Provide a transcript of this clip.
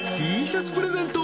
［Ｔシャツプレゼント。